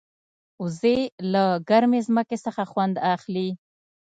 وزې له ګرمې ځمکې څخه خوند اخلي